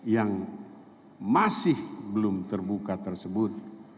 yang masih belum terbuka tersebut